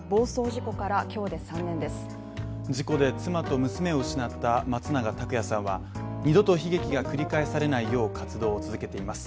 事故で妻と娘を失った松永拓也さんは二度と悲劇が繰り返されないよう活動を続けています。